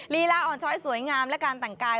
ลีลาอ่อนช้อยสวยงามและการแต่งกาย